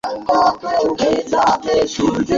ঘোড়া হলেই চাবুক আপনি আসবে।